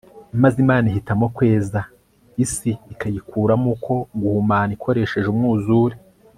maze imana ihitamo kweza isi ikayikuramo uko guhumana ikoresheje umwuzure